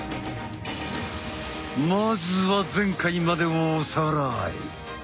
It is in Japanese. まずは前回までをおさらい。